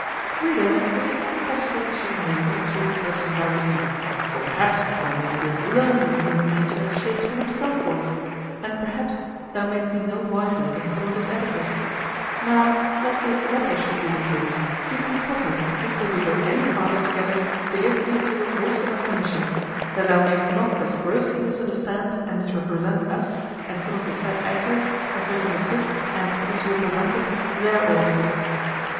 Reader, it is impossible we should know what sort of person thou wilt be; for, perhaps, thou may'st be as learned in human nature as Shakespear himself was, and, perhaps, thou may'st be no wiser than some of his editors. Now, lest this latter should be the case, we think proper, before we go any farther together, to give thee a few wholesome admonitions; that thou may'st not as grossly misunderstand and misrepresent us, as some of the said editors have misunderstood and misrepresented their author.